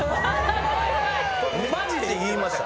マジで言いました。